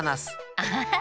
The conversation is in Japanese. アハハ。